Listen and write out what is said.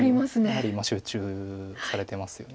やはり集中されてますよね。